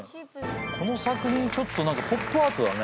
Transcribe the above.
この作品ちょっと何かポップアートだね。